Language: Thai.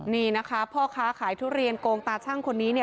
นี่นะคะพ่อค้าขายทุเรียนโกงตาชั่งคนนี้เนี่ย